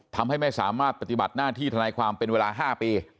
ทำให้ไม่สามารถปฏิบัติหน้าที่ธนายความเป็นเวลา๕ปี